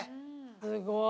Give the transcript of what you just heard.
すごい。